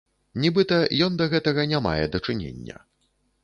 Нібыта, ён да гэтага не мае дачынення.